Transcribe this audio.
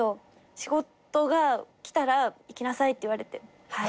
仕事が来たら「行きなさい」って言われてはい。